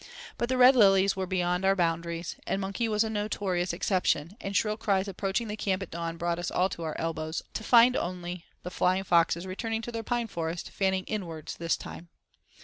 But the Red Lilies were beyond our boundaries, and Monkey was a notorious exception, and shrill cries approaching the camp at dawn brought us all to our elbows, to find only the flying foxes returning to the pine forest, fanning inwards this time.